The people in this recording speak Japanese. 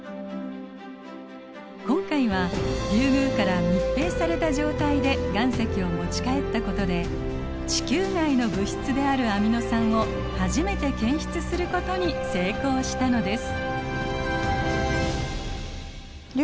今回はリュウグウから密閉された状態で岩石を持ち帰ったことで地球外の物質であるアミノ酸を初めて検出することに成功したのです。